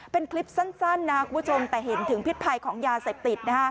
เป็นคลิปสั้นนะคุณผู้ชมแต่เห็นถึงพิษภัยของยาเสพติด